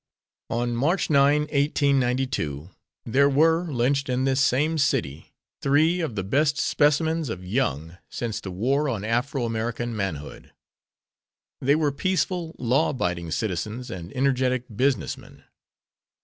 On March 9, 1892, there were lynched in this same city three of the best specimens of young since the war Afro American manhood. They were peaceful, law abiding citizens and energetic business men.